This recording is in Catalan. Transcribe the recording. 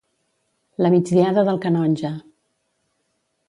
La migdiada del canonge.